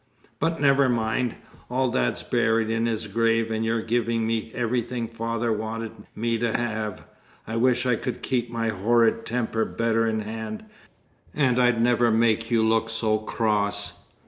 But never mind. All that's buried in his grave, and you're giving me everything father wanted me to have. I wish I could keep my horrid temper better in hand, and I'd never make you look so cross.